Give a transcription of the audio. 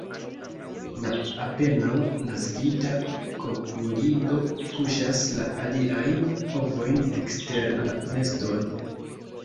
La apenaŭ naskita kukolido puŝas la aliajn ovojn ekster la neston.